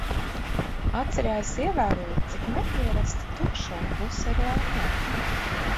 Atceļā es ievēroju, cik nepierasti tukša un klusa ir Londona.